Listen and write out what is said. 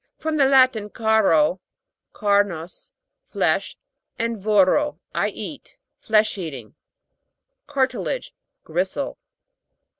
From the Latin, caro, carnis, flesh, and voro, I eat. Flesh eating. CAR'TILAGE. Gristle.